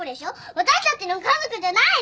私たちの家族じゃないの？